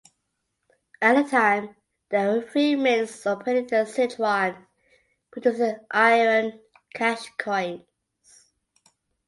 At the time there were three mints operating in Sichuan producing iron cash coins.